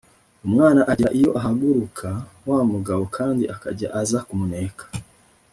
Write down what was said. umwana agera iyo ahaguruka; wa mugabo kandi akajya aza kumuneka